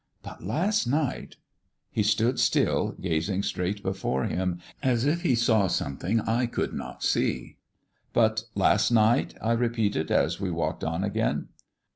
But last night " He stood still, gazing straight before him, as if he saw something that I could not see. "But last night," I repeated, as we walked on again.